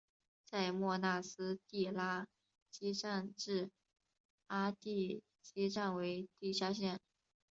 在莫纳斯蒂拉基站至阿蒂基站为地下线。